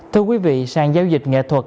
thưa quý vị sàn giao dịch nghệ thuật